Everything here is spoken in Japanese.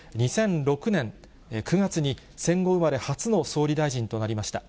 ２００６年９月に戦後生まれ初の総理大臣となりました。